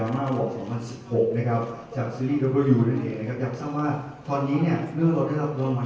ปลดดังไหมครับในการที่จะรับรับธรรมเรื่องต่อต่อไป